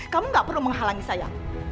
kamu gak perlu menghalangi saya